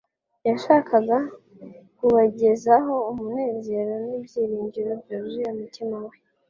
yashakaga kubagezaho umunezero n'ibyiringiro byuzuye umutima we.